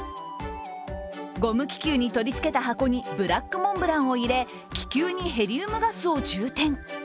ゴム気球に取りつけた箱にブラックモンブランを入れ、気球にヘリウムガスを充填。